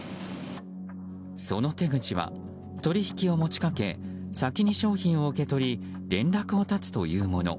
その手口は、取引を持ちかけ先に商品を受け取り連絡を絶つというもの。